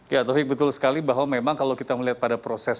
ya taufik betul sekali bahwa memang kalau kita melihat pada proses